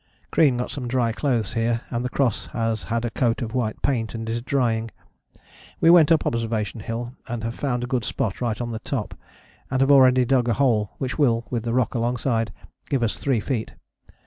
"Crean got some dry clothes here, and the cross has had a coat of white paint and is drying. We went up Observation Hill and have found a good spot right on the top, and have already dug a hole which will, with the rock alongside, give us three feet.